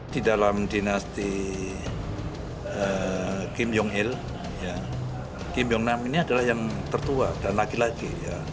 di dalam dinasti kim jong hill kim jong nam ini adalah yang tertua dan laki laki